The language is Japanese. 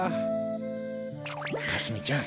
かすみちゃん